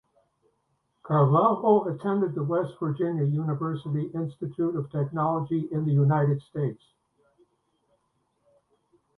Carvalho attended the West Virginia University Institute of Technology in the United States.